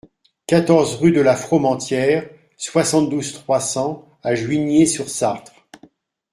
quatorze rue de la Fromentière, soixante-douze, trois cents à Juigné-sur-Sarthe